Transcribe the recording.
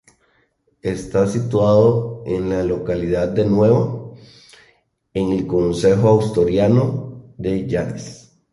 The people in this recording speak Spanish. Está situado en la localidad de Nueva, en el concejo asturiano de Llanes.